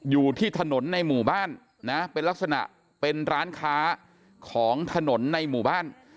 อยู่ที่ถนนในหมู่บ้านนะเป็นลักษณะเป็นร้านค้าของถนนในหมู่บ้าน